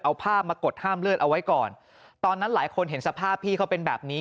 เอาผ้ามากดห้ามเลือดเอาไว้ก่อนตอนนั้นหลายคนเห็นสภาพพี่เขาเป็นแบบนี้